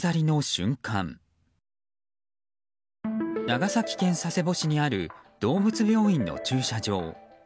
長崎県佐世保市にある動物病院の駐車場。